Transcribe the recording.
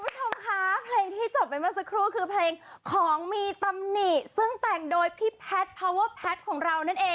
ก่อนจะพูดเรื่องเพลงขอพูดนิดนึงว่าพี่หล่อมากเลย